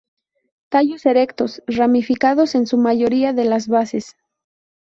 Tallos erectos, ramificados en su mayoría de las bases.